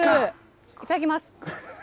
いただきます。